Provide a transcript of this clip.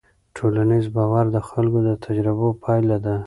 ټولنیز باور د خلکو د تجربو پایله ده.